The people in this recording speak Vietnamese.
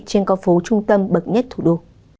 trên con phố trung tâm bậc nhất thủ đô